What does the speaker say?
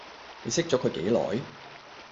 你識咗佢幾耐